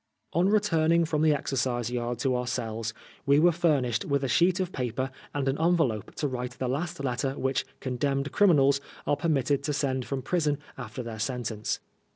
On returning from the exercise yard to our cells^ we were furnished with a sheet of paper and an envelope to write the last letter which " condemned criminals '* are permitted to send from prison after their sentence.